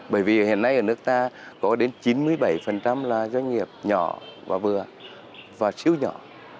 bởi vì hiện nay ở nước ta có đến chín mươi bảy là doanh nghiệp nhỏ và vừa và siêu nhỏ